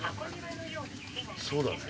そうだね。